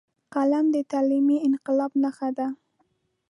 قلم د تعلیمي انقلاب نښه ده